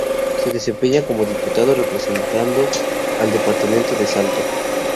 Se desempeña como Diputado, representando al departamento de Salto.